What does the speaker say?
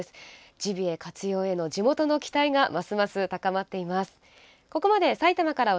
ジビエ活用への地元の期待がますます高まっています。